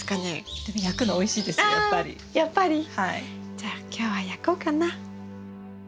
じゃあ今日は焼こうかな。